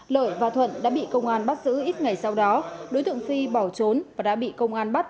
lợi và thuận đã bị công an bắt giữ ít ngày sau đó đối tượng phi bỏ trốn và đã bị công an bắt